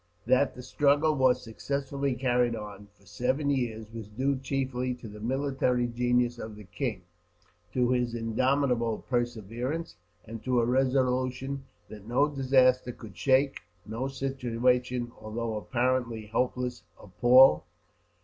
That the struggle was successfully carried on, for seven years, was due chiefly to the military genius of the king; to his indomitable perseverance; and to a resolution that no disaster could shake, no situation, although apparently hopeless, appall.